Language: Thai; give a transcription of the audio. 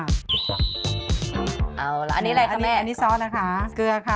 เอาล่ะอันนี้อะไรคะแม่อันนี้ซอสนะคะเกลือค่ะ